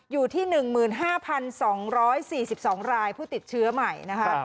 อยู่ที่หนึ่งหมื่นห้าพันสองร้อยสี่สิบสองรายผู้ติดเชื้อใหม่นะคะ